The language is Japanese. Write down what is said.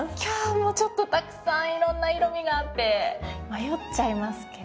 もうちょっとたくさんいろんな色味があって迷っちゃいますけど。